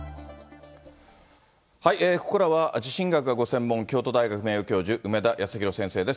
ここからは、地震学がご専門、京都大学名誉教授、梅田康弘先生です。